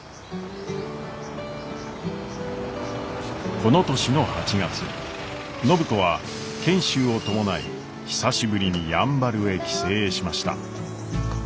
この年の８月暢子は賢秀を伴い久しぶりにやんばるへ帰省しました。